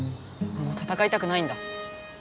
もう戦いたくないんだ。